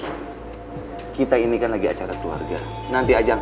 luar standing bagaimana honda gak mieszkanya jangan point si thatanie